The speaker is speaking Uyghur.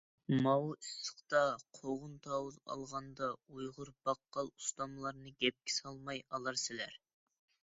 ماۋۇ ئىسسىقتا قوغۇن-تاۋۇز ئالغاندا ئۇيغۇر باققال ئۇستاملارنى گەپكە سالماي ئالارسىلەر.